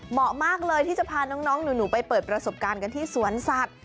เหมาะมากเลยที่จะพาน้องหนูไปเปิดประสบการณ์กันที่สวนสัตว์